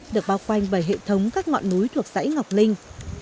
được bao quanh bởi hệ thống các ngọn núi thuộc xã ngọc linh